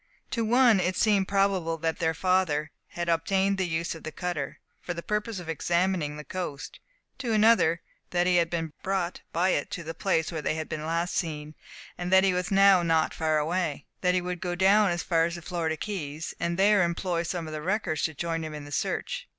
To one it seemed probable that their father had obtained the use of the cutter, for the purpose of examining the coast; to another, that he had been brought by it to the place where they had last been seen, and that he was now not far away; to another, that he would go down as far as the Florida Keys, and there employ some of the wreckers to join him in the search.